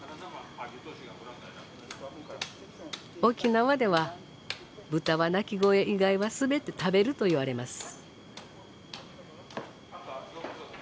沖縄では豚は鳴き声以外は全て食べるといわれます。